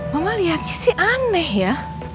mama lihat sih aneh ya